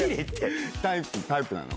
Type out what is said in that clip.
タイプなの？